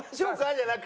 じゃなく